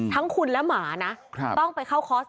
ทั้งคุณและหมานะต้องไปเข้าคอร์ส